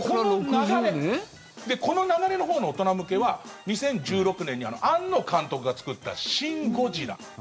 この流れのほうの大人向けは２０１６年にあの庵野監督が作った「シン・ゴジラ」。